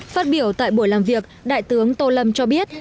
phát biểu tại buổi làm việc đại tướng tô lâm cho biết